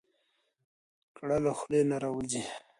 ګړه له خولې نه راوځي.